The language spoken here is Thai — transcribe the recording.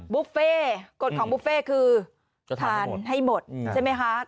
บุฟเฟ่กฎของบุฟเฟ่คือทานให้หมดใช่ไหมคะ